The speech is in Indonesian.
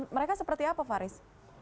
mereka seperti apa faris